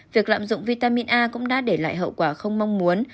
việc lạm dụng vitamin a cũng đã để lại hậu quả không mong muốn